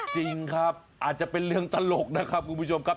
จริงครับอาจจะเป็นเรื่องตลกนะครับคุณผู้ชมครับ